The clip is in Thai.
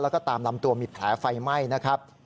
แล้วก็ตามลำตัวมีแผลไฟไหม้นะครับ